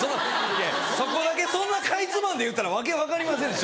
そこだけそんなかいつまんで言ったら訳分かりませんでしょ。